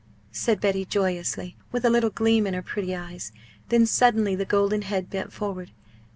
said Betty, joyously, with a little gleam in her pretty eyes. Then suddenly the golden head bent forward.